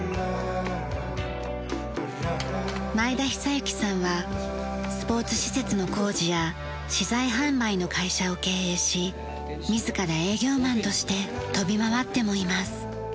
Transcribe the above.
前田尚之さんはスポーツ施設の工事や資材販売の会社を経営し自ら営業マンとして飛び回ってもいます。